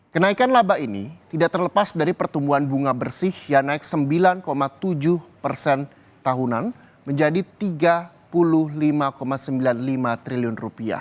kenaikan laba ini tidak terlepas dari pertumbuhan bunga bersih yang naik sembilan tujuh persen tahunan menjadi rp tiga puluh lima sembilan puluh lima triliun